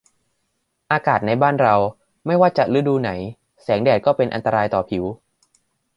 อากาศในบ้านเราไม่ว่าจะฤดูไหนแสงแดดก็เป็นอันตรายต่อผิว